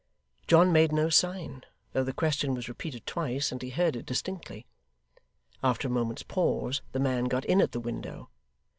John made no sign, though the question was repeated twice, and he heard it distinctly. After a moment's pause, the man got in at the window.